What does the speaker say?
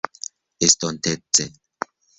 estontece